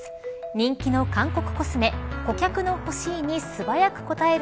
人気の韓国コスメ顧客の欲しいに素早く応える